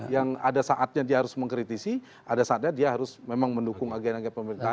yang ada saatnya dia harus mengkritisi ada saatnya dia harus memang mendukung agen agen pemerintah